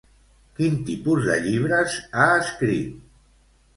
Quin tipus de llibres ha escrit?